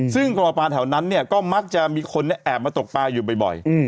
ซึ่งกรปลาปลาแถวนั้นเนี่ยก็มักจะมีคนแอบมาตกปลาอยู่บ่อย